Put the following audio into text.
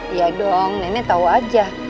iya dong nenek tau aja